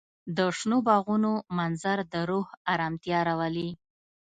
د شنو باغونو منظر د روح ارامتیا راولي.